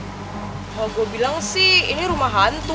kalau gue bilang sih ini rumah hantu